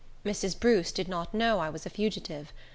Mrs. Bruce did not know I was a fugitive.